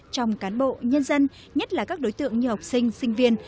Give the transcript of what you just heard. trong cán bộ nhân dân nhất là các đối tượng như học sinh sinh viên